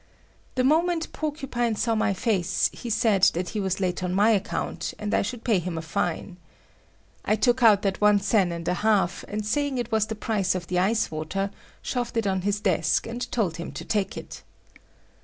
The moment Porcupine saw my face, he said that he was late on my account, and I should pay him a fine. I took out that one sen and a half, and saying it was the price of the ice water, shoved it on his desk and told him to take it.